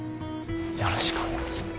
よろしくお願いします